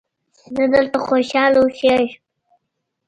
زه دلته خوشحاله اوسیږم.